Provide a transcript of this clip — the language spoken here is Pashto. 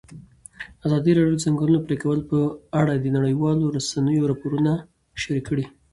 ازادي راډیو د د ځنګلونو پرېکول په اړه د نړیوالو رسنیو راپورونه شریک کړي.